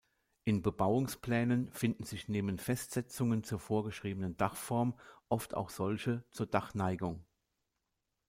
In Bebauungsplänen finden sich neben Festsetzungen zur vorgeschriebenen Dachform oft auch solche zur Dachneigung.